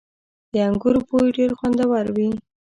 • د انګورو بوی ډېر خوندور وي.